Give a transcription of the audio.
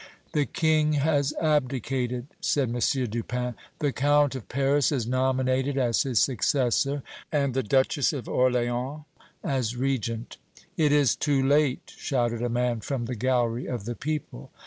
"The King has abdicated," said M. Dupin. "The Count of Paris is nominated as his successor and the Duchess of Orléans as Regent." "It is too late!" shouted a man from the gallery of the people.